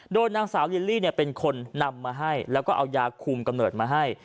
โดยนางสาวลิลลี่เป็นคนนำมาให้แล้วก็เอายาคุมกำเนิดมาให้